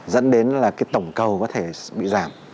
dẫn đến là cái tổng cầu có thể bị giảm